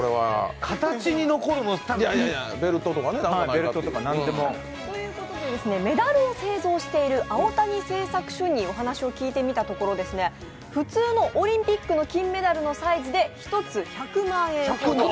ベルトとかね。ということでメダルを製作している青谷製作所にお話を聞いてみたところ、普通のオリンピックの金メダルのサイズで１つ１００万円。